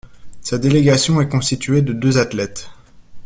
Sa délégation est constituée de deux athlètes.